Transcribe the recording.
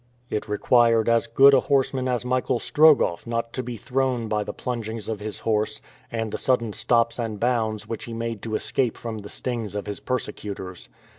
It required as good a horseman as Michael Strogoff not to be thrown by the plungings of his horse, and the sudden stops and bounds which he made to escape from the stings of his persecutors.